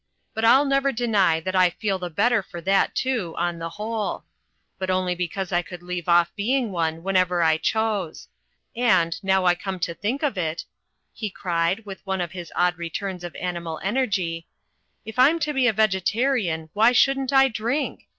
But I'll never deny that I feel the better for that, too, on the whole. But only because I could leave off being one whenever I chose. And, now I come to think of it," he cried, with one of his odd returns of animal energy, "if I'm to be a vegetarian why shouldn't I drink?